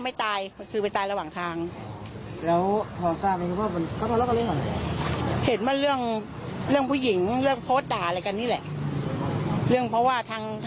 ด่าอะไรกันก็ไม่รู้เรื่องเกี่ยวกับสัยกรรมอะไรนี่แหละ